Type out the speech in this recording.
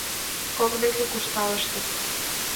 Кок веке куржталыштыт.